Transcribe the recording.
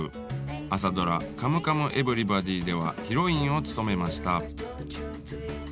朝ドラ「カムカムエヴリバディ」ではヒロインを務めました。